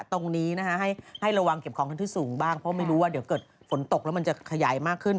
ตรงนี้นะคะให้ระวังเก็บของทั้งที่สูงบ้างเพราะไม่รู้ว่าเดี๋ยวเกิดฝนตกแล้วมันจะขยายมากขึ้น